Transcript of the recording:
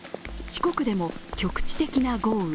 四国でも局地的な豪雨。